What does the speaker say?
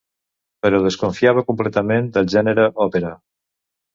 Però desconfiava completament del gènere òpera.